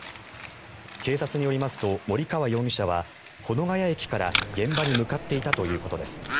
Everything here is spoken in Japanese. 警察によりますと森川容疑者は保土ケ谷駅から現場に向かっていたということです。